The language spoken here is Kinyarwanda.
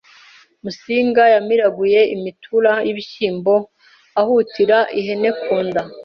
Musinga yamiraguye imitura y’ibishyimbo ahutira ihene ku nda